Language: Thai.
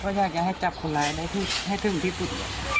ก็อยากจะให้จับคนร้ายได้ให้ถึงที่สุด